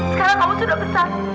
sekarang kamu sudah besar